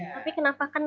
tapi kenapa kena